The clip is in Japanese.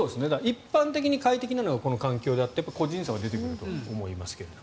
一般的に快適なのはこの環境であって個人差は出てくると思いますけど。